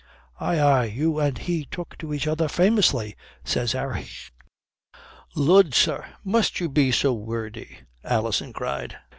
"Aye, aye, you and he took to each other famously," says Harry. "Lud, sir, must you be so wordy?" Alison cried.